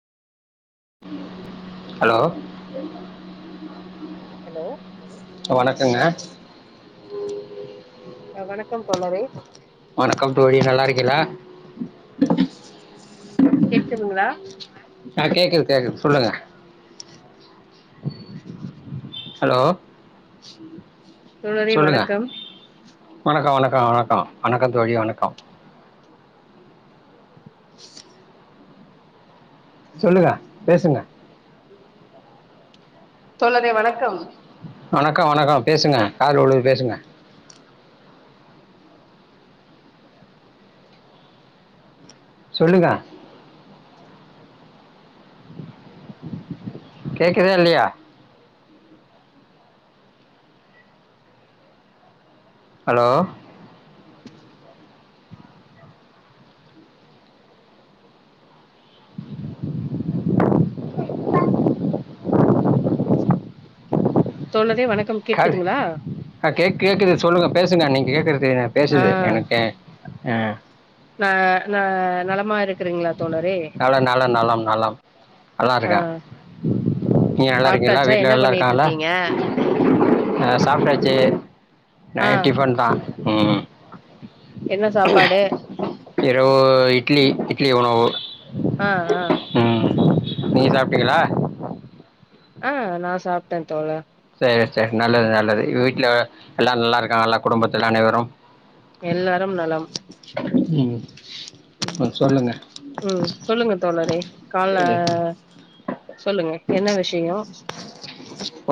hello hello வணக்கங்க அ வணக்கம் தோழரே வணக்கம் தோழி நல்லா இருக்கியளா கேக்குதுங்களா ஆ கேக்குது கேக்குது சொல்லுங்க ஹலோ தோழரே சொல்லுங்க வணக்கம் வணக்கோ வணக்கொ வணக்கொ வணக்கொ தோழி வணக்கொ சொல்லுங்க பேசுங்க தோழரே வணக் வணக்க வணக்கொ பேசுங்க காதுல உழுது பேசுங்க சொல்லுங்க கேக்குதா இல்லையா ஹலோ தோழரே வணக்கம் காது கேக்குதுங்களா ஆ கேக் கேக்குது சொல்லுங்க பேசுங்க நீங்க கேக்குறது எனக்கு ஆ பேசுது எனக்கே ஆ ந ந நலமா இருக்கிறீங்களா நலொ நலொ நலம் நலம் நல்லா ஆ இருக்கே நீங்க நல்லா இருக்கீங்களா சாப்ட்டாச்சா வீட்டு்ல என்ன நல்லா பண்ணிட்டு இருக்காங்களா இருக்கீங்க அ சாப்டாச்சு ஆ நைட் டிஃபன்தா ம் என்ன சாப்பாடு இரவு இட்லி இட்லி உணவு அ அ ம் நீங்க சாப்டீங்களா ஆ நா சாப்ட தோழா சேரி சேரி நல்லது நல்லது வீட்ல எல்லா நல்லாருக்காங்களா குடும்பத்தில அனைவரும் எல்லாரும் நலம் ம் ம் ம் சொல்லுங்க தோழரே கால சொல்லுங்க சொல்லுங்க என்ன விஷயோ